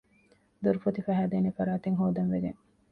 ދޮރުފޮތި ފަހައިދޭނެ ފަރާތެއް ހޯދަން ވެގެން